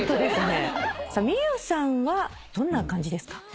ｍｉｙｏｕさんはどんな感じですか？